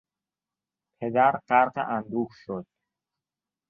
پدر غرق اندوه شد.